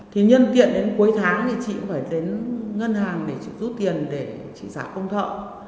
thì nhân tiện đến cuối tháng thì chị cũng phải đến ngân hàng để chị rút tiền để chị giả công thợ